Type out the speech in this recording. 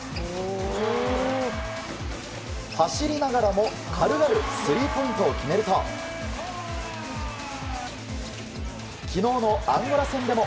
走りながらも軽々スリーポイントを決めると昨日のアンゴラ戦でも。